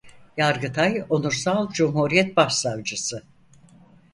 Yargıtay Onursal Cumhuriyet Başsavcısı.